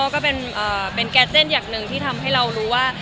ก็เป็นแก๊สเต้นอย่างหนึ่งที่ทำให้เรารู้ว่า